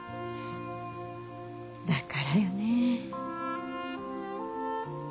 だからよねえ。